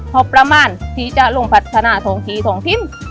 พอประมาณที่จะลงพัฒนาทองทีสองทิ้ม